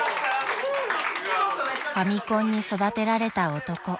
［「ファミコンに育てられた男」］